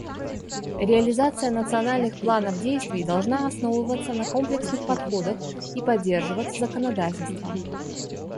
Реализация национальных планов действий должна основываться на комплексных подходах и поддерживаться законодательством.